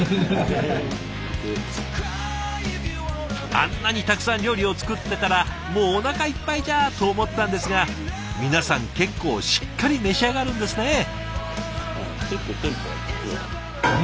あんなにたくさん料理を作ってたらもうおなかいっぱいじゃと思ったんですが皆さん結構しっかり召し上がるんですねえ。